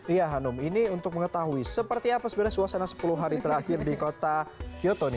iya hanum ini untuk mengetahui seperti apa sebenarnya suasana sepuluh hari terakhir di kota kyoto nih